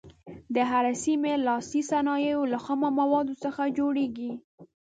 د هرې سیمې لاسي صنایع له خامو موادو څخه جوړیږي.